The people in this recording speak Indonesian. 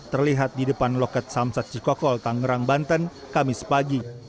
terlihat di depan loket samsat cikokol tangerang banten kamis pagi